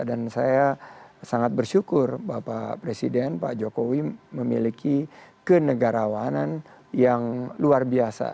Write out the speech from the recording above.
dan saya sangat bersyukur bapak presiden pak jokowi memiliki kenegarawanan yang luar biasa